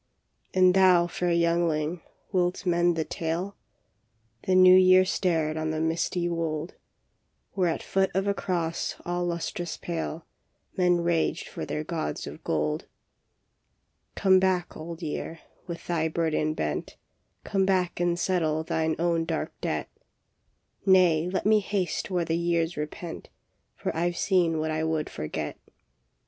And thou, fair youngling, wilt mend the tale? " The New Year stared on the misty wold, Where at foot of a cross all lustrous pale Men raged for their gods of gold. " Come back, Old Year, with thy burden bent. Come back and settle thine own dark debt." " Nay, let me haste where the years repent, For I ve seen what I would forget."